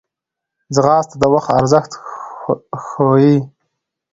ځغاسته د وخت ارزښت ښووي